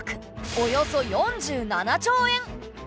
およそ４７兆円！